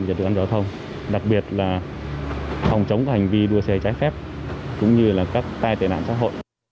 và tự do thông đặc biệt là phòng chống hành vi đua xe trái phép cũng như là các tai tệ nạn xã hội